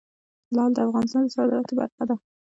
لعل د افغانستان د صادراتو برخه ده.